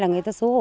người ta xấu hổ